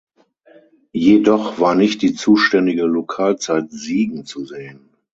Jedoch war nicht die zuständige "Lokalzeit Siegen" zu sehen.